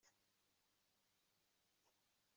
Arraw-nwen, ur ten-trebbam ara.